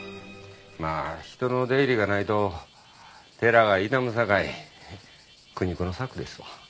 まあ人の出入りがないと寺が傷むさかい苦肉の策ですわ。